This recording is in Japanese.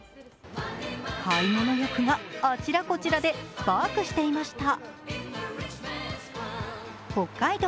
買い物欲があちらこちらでスパークしていました。